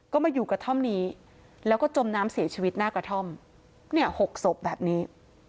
ก็มาอยู่กระท่อมนี้แล้วก็จมน้ำเสียชีวิตหน้ากระท่อมเนี่ย๖ศพแบบนี้